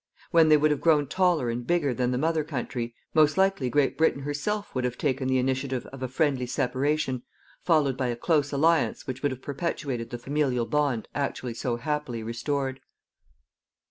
When they would have grown taller and bigger than the mother country, most likely Great Britain herself would have taken the initiative of a friendly separation followed by a close alliance which would have perpetuated the familial bond actually so happily restored.